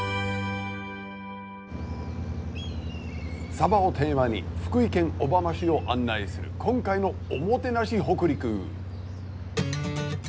サバをテーマに福井県小浜市を案内する今回の「おもてなし北陸」。